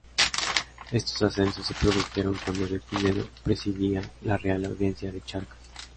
Estos ascensos se produjeron cuando De Pinedo presidía la Real Audiencia de Charcas.